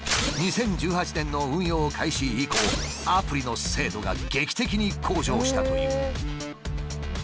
２０１８年の運用開始以降アプリの精度が劇的に向上したという。